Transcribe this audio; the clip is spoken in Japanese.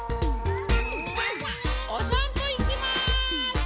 おさんぽいきます。